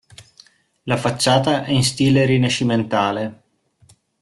La facciata è in stile rinascimentale.